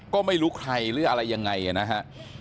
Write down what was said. ก็ไม่รู้ใครหรืออะไรยังไงนะฮะ